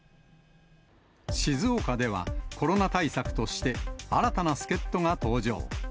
静岡では、コロナ対策として、新たな助っ人が登場。